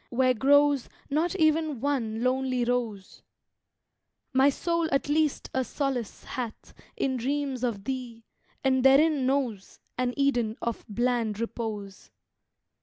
where grows Not even one lonely rose) My soul at least a solace hath In dreams of thee, and therein knows An Eden of bland repose.